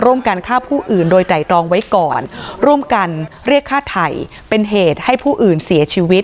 ร่วมกันฆ่าผู้อื่นโดยไตรรองไว้ก่อนร่วมกันเรียกฆ่าไถ่เป็นเหตุให้ผู้อื่นเสียชีวิต